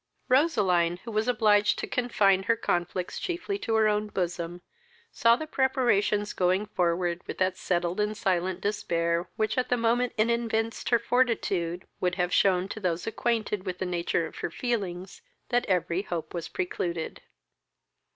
Roseline, who was obliged to confine her conflicts chiefly to her own bosom, saw the preparations going forward with that settled and silent despair, which, at the moment it evinced her fortitude, would have shewn to those acquainted with the nature of her feelings that every hope was precluded.